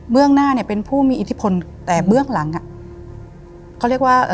เรื่องหน้าเนี่ยเป็นผู้มีอิทธิพลแต่เบื้องหลังอ่ะเขาเรียกว่าเอ่อ